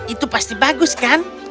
itu pasti bagus kan